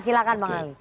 silahkan bang ali